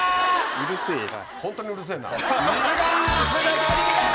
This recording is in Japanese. うるせぇな！